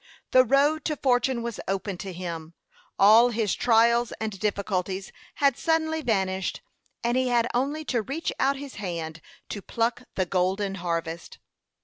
The road to fortune was open to him; all his trials and difficulties had suddenly vanished, and he had only to reach out his hand to pluck the golden harvest.